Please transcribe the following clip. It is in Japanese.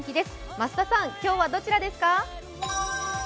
増田さん、今日はどちらですか？